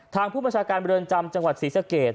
ทางผู้ประชาการบริเวณจำจังหวัดศรีสะเกต